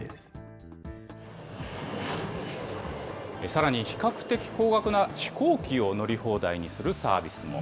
さらに比較的高額な飛行機を乗り放題にするサービスも。